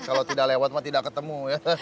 kalau tidak lewat mah tidak ketemu ya